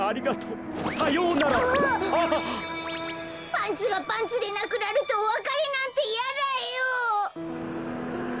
パンツがパンツでなくなるとおわかれなんてやだよ！